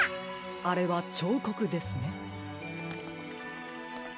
あれはちょうこくですね。